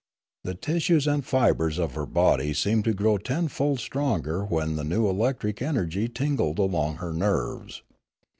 The tissues and fibres of her body seemed to grow tenfold stronger when the 250 Limanora new electric energy tingled along her nerves.